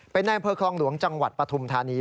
เป็นในอำเภอคลองหลวงจังหวัดปฐุมธานี